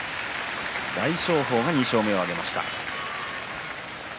大翔鵬が２勝目を挙げました。